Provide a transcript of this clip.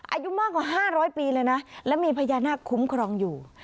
อายุมากกว่า๕๐๐ปีเลยนะและมีพญานาคคุ้มครองอยู่